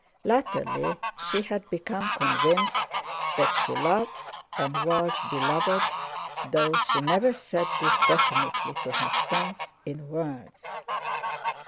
Latterly she had become convinced that she loved and was beloved, though she never said this definitely to herself in words.